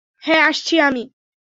হ্যাঁ, আসছি আমি।